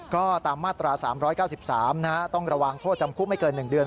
ก็ตามมาตรา๓๙๓ต้องระวังโทษจำคุกไม่เกิน๑เดือน